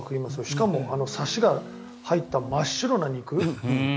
しかも差しが入った真っ白な肉。